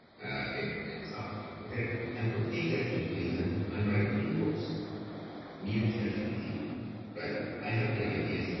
There are overseas offices in Kenya, Sri Lanka and Malta.